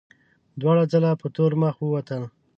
دواړه ځله په تور مخ ووتل.